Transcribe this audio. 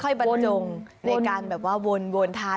ค่อยบรรจงในการไว้วนท้า